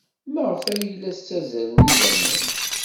Maɣef ay la ssazzalen idammen?